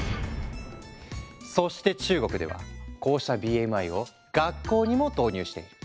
そして中国ではこうしたＢＭＩを学校にも導入している。